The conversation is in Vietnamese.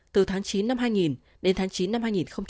từ tháng chín năm hai nghìn đến tháng chín năm hai nghìn một